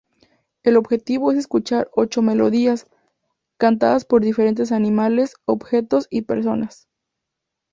El objetivo es escuchar ocho melodías, cantadas por diferentes animales, objetos y personas.